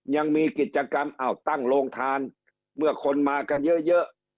ยังมีกิจกรรมอ้าวตั้งโรงทานเมื่อคนมากันเยอะ